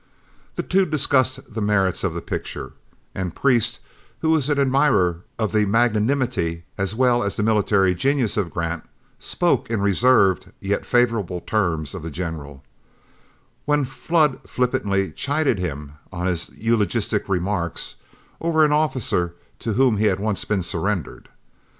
The two discussed the merits of the picture, and Priest, who was an admirer of the magnanimity as well as the military genius of Grant, spoke in reserved yet favorable terms of the general, when Flood flippantly chided him on his eulogistic remarks over an officer to whom he had once been surrendered.